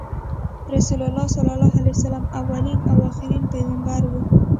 رسول الله ص اولین او اخرین پیغمبر وو۔